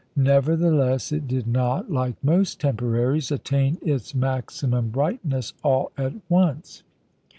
Nevertheless, it did not, like most temporaries, attain its maximum brightness all at once.